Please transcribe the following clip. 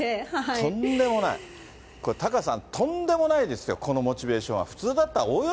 とんでもない、これ、タカさん、とんでもないですよ、このモチベーションは。